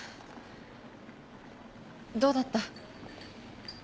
どうだった？